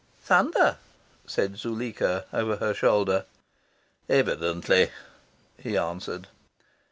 "Thunder," said Zuleika over her shoulder. "Evidently," he answered.